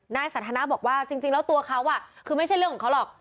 นายสันทนาบอกว่าจริงแล้วตัวเขาคือไม่ใช่เรื่องของเขาหรอก